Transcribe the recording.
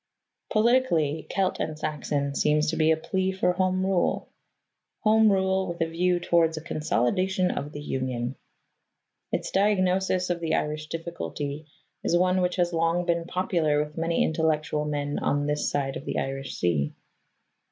Politically, Celt and Saxon seems to be a plea for Home Rule Home Rule, with a view towards a "consolidation of the union." Its diagnosis of the Irish difficulty is one which has long been popular with many intellectual men on this side of the Irish Sea.